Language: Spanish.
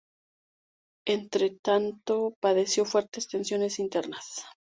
Entretanto, padeció fuertes tensiones internas.